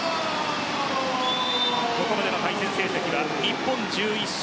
ここまでの対戦成績は日本１１勝。